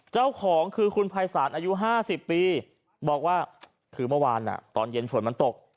เจ้าของคือคุณภัยศาลอายุ๕๐ปีบอกว่าคือเมื่อวานตอนเย็นฝนมันตก